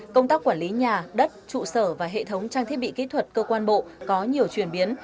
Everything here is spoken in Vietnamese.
công tác quản lý nhà đất trụ sở và hệ thống trang thiết bị kỹ thuật cơ quan bộ có nhiều chuyển biến